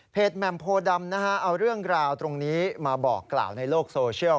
แหม่มโพดำนะฮะเอาเรื่องราวตรงนี้มาบอกกล่าวในโลกโซเชียล